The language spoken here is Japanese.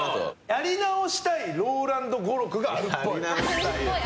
やり直したいＲＯＬＡＮＤ語録があるっぽい。